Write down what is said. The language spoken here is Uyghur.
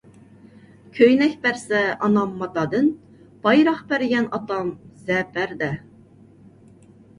كۆينەك بەرسە ئانام ماتادىن، بايراق بەرگەن ئاتام زەپەردە.